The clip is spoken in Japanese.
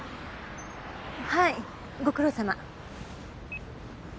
はいご苦労さま。